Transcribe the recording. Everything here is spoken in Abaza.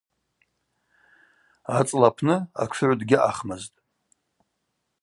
Ацӏла апны атшыгӏв дгьаъахмызтӏ.